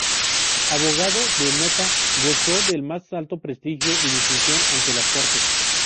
Abogado de nota, gozó del más alto prestigio y distinción ante las Cortes.